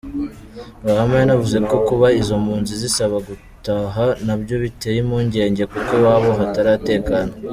Rwahama yanavuze ko kuba izo mpunzi zisaba gutaha nabyo biteye impungenge kuko iwabo hataratekana.